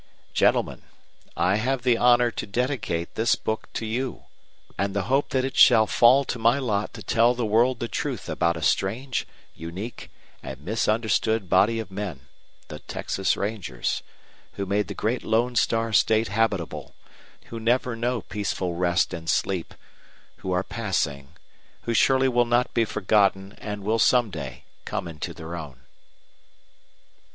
Gentlemen, I have the honor to dedicate this book to you, and the hope that it shall fall to my lot to tell the world the truth about a strange, unique, and misunderstood body of men the Texas Rangers who made the great Lone Star State habitable, who never know peaceful rest and sleep, who are passing, who surely will not be forgotten and will some day come into their own.